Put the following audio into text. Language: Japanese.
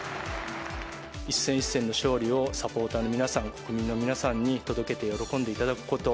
一戦一戦の勝利をサポーターの皆さん、国民の皆さんに届けて喜んでいただくこと。